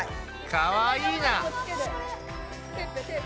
かわいいな！